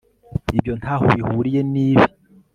Ibyo ntaho bihuriye nibi